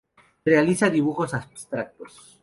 Realiza dibujos abstractos.